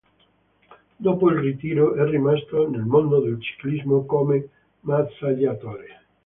Dopo il ritiro è rimasto nel mondo del ciclismo come massaggiatore.